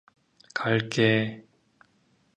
갈게.